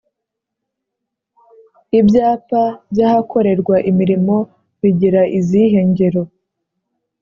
Ibyapa by’ahakorerwa imirimo bigira izihe ngero